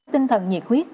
tinh thần nhiệt huyết